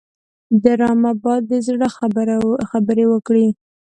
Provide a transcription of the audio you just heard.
ډرامه باید د زړه خبرې وکړي